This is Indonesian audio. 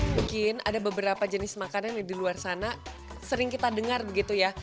mungkin ada beberapa jenis makanan yang di luar sana sering kita dengar begitu ya